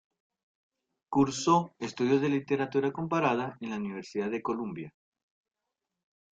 Cursó estudios de Literatura Comparada en la Universidad de Columbia.